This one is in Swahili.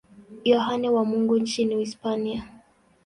Yohane wa Mungu nchini Hispania.